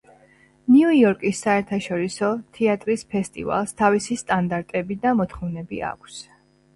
ნიუ იორკის საერთაშორისო თეატრის ფესტივალს თავისი სტანდარტები და მოთხოვნები აქვს.